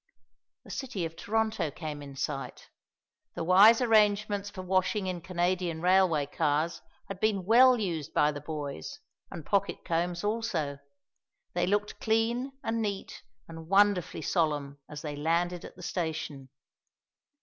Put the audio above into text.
The city of Toronto came in sight. The wise arrangements for washing in Canadian railway cars had been well used by the boys, and pocket combs also. They looked clean and neat and wonderfully solemn as they landed at the station.